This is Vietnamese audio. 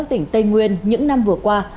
các tỉnh tây nguyên những năm vừa qua